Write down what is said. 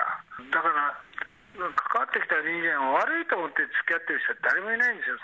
だから関わってきた人間は、悪いと思ってつきあってる人は誰もいないんですよ。